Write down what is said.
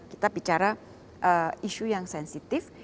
kita bicara isu yang sensitif